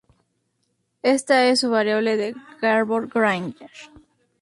Esta es su variable Gabor-Granger.